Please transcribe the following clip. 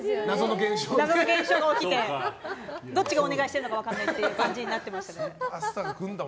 謎の現象が起きてどっちがお願いしてるか分からないっていう感じになってました。